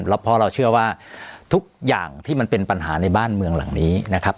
เพราะเราเชื่อว่าทุกอย่างที่มันเป็นปัญหาในบ้านเมืองหลังนี้นะครับ